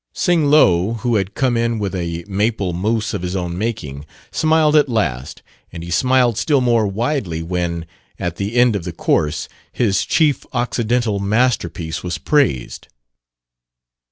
Sing Lo, who had come in with a maple mousse of his own making, smiled at last; and he smiled still more widely when, at the end of the course, his chief occidental masterpiece was praised.